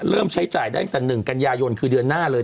เริ่มใช้จ่ายได้ตั้งแต่๑กันยายนคือเดือนหน้าเลย